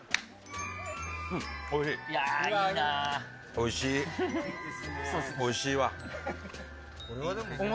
おいしい、おいしいわ。